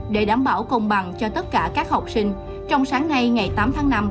để đảm bảo công bằng cho tất cả các học sinh trong sáng nay ngày tám tháng năm